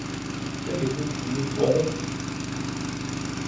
Tagellidt-nni twalaḍ-tt?